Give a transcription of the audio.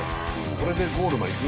これでゴールまでいく？